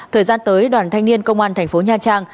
thời gian tới đoàn thanh niên công an thành phố nha trang